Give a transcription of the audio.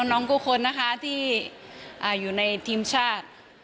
น้องทุกคนนะคะที่อยู่ในทีมชาติ